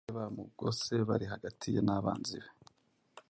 mu ijuru bari bamugose bari hagati ye n’abanzi be.